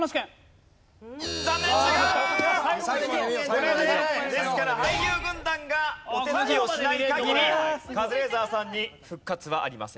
これでですから俳優軍団がお手つきをしない限りカズレーザーさんに復活はありません。